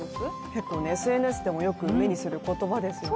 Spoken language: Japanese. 結構、ＳＮＳでもよく目にする言葉ですよね。